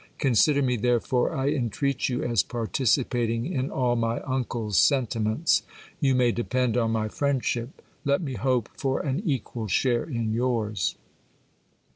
Consider me, therefore, I entreat you, as participating in all my uncle's sentiments. You may depend on my friendship ; let me hope for an equal share in yours.